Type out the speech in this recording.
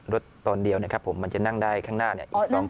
รถตอนเดียวเนี้ยครับผมมันจะนั่งได้ข้างหน้าเนี้ยอีกสองคน